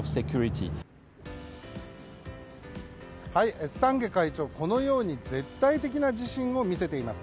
エスタンゲ会長、このように絶対的な自信を見せています。